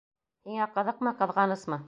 Һиңә ҡыҙыҡмы, ҡыҙғанысмы?